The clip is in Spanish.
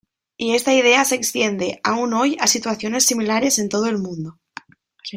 Y esta idea se extiende, aún hoy, a situaciones similares en todo el mundo.